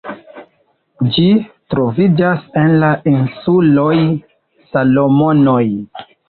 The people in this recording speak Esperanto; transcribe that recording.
Ĝi troviĝas en la insuloj Salomonoj.